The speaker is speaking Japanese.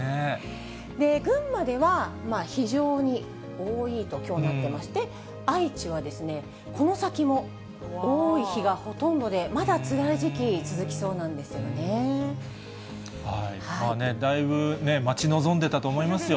群馬では非常に多いと、きょうなってまして、愛知はですね、この先も多い日がほとんどで、まだつらい時期、続きそうなんでだいぶ待ち望んでたと思いますよ。